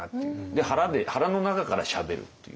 腹の中からしゃべるっていう。